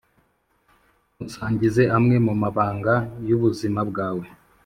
musangize amwe mu mabanga y’ubuzima bwawe